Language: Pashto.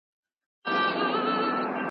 په ښکلا یې له هر چا وو میدان وړی .